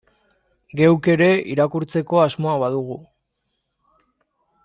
Geuk ere irakurtzeko asmoa badugu.